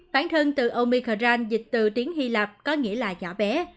bản thân từ omicron dịch từ tiếng hy lạp có nghĩa là giả bé